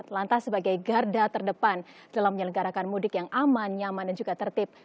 lantas sebagai garda terdepan dalam menyelenggarakan mudik yang aman nyaman dan juga tertib